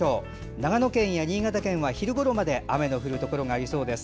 長野県や新潟県では昼ごろまで雨の降るところがありそうです。